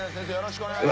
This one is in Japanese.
お願いします。